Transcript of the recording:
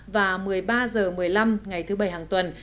và một mươi ba h một mươi năm ngày thứ bảy hàng tuần